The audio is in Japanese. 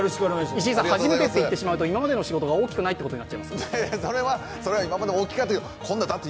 石井さん、初めてと言っちゃうと今までの仕事が大きくないと言っちゃいます。